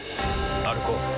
歩こう。